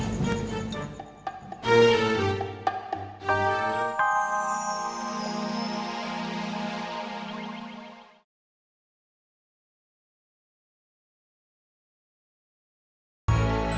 nggak boleh gitu